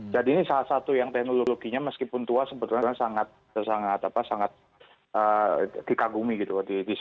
jadi ini salah satu yang teknologinya meskipun tua sebetulnya sangat dikagumi gitu